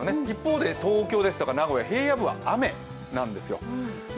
一方で東京ですとか名古屋、平野部は雨なんですよ。